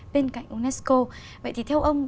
bên cạnh unesco vậy thì theo ông